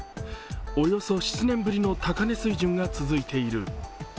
およそ７年ぶりの高値水準が続いている。